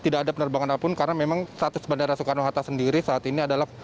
tidak ada penerbangan apapun karena memang status bandara soekarno hatta sendiri saat ini adalah